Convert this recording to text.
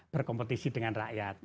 berkompetisi dengan rakyat